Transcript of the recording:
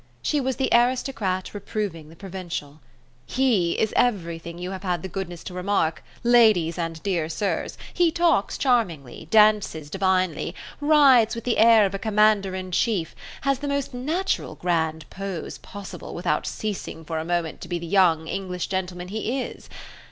She was the aristocrat reproving the provincial. "He is everything you have had the goodness to remark, ladies and dear sirs, he talks charmingly, dances divinely, rides with the air of a commander in chief, has the most natural grand pose possible without ceasing for a moment to be the young English gentleman he is.